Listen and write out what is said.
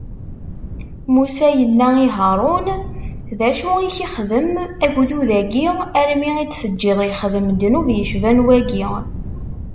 Musa yenna i Haṛun: D acu i k-ixdem ugdud-agi armi i t-teǧǧiḍ ixdem ddnub yecban wagi?